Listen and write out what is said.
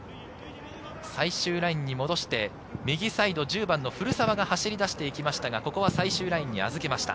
最終ラインに戻して、右サイド１０番・古澤が走り出して行きましたが、ここは最終ラインに預けました。